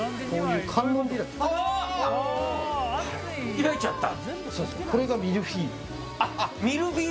開いちゃった。